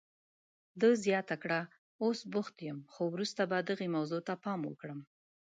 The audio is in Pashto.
ده زیاته کړه، اوس بوخت یم، خو وروسته به دغې موضوع ته پام وکړم.